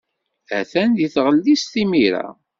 Atan deg tɣellist imir-a.